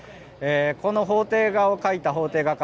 この法廷画を描いた法廷画家